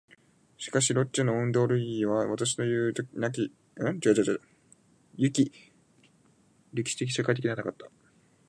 しかしロッチェのオントロギーは私のいう如き歴史的社会的ではなかった。